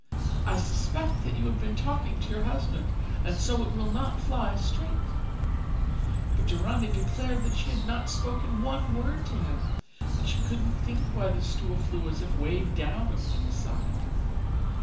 I suspect that you have been talking to your husband, and so it will not fly straight.' But Dorani declared that she had not spoken one word to him, and she couldn't think why the stool flew as if weighed down at one side.